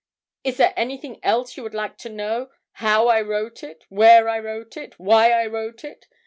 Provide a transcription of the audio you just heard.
Is there anything else you would like to know how I wrote it, where I wrote it, why I wrote it?